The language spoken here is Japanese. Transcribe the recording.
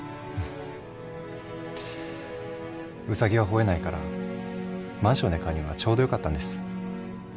ウサギは吠えないからマンションで飼うにはちょうどよかったんです。